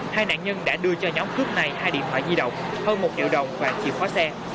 hai nạn nhân đã đưa cho nhóm cướp này hai điện thoại di động hơn một triệu đồng và chìa khóa xe